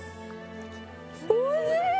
おいしい！